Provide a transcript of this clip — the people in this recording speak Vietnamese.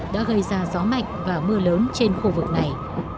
đã gây ra gió mạnh và mưa lớn trên khu vực này